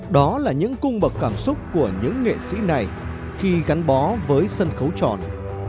đó là những cung bậc cảm xúc của những nghệ sĩ này khi gắn bó với sân khấu tròn